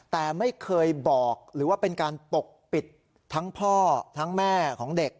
แต่ไม่เคยบอกหรือว่าเป็นการปกปิดทั้งพ่อทั้งแม่ของเด็ก